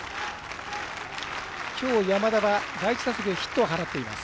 きょう、山田は第１打席でヒットを放っています。